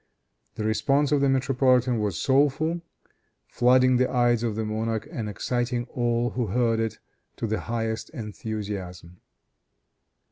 The response of the metropolitan was soulfull, flooding the eyes of the monarch and exciting all who heard it to the highest enthusiasm.